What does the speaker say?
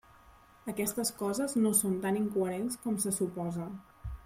Aquestes coses no són tan incoherents com se suposa.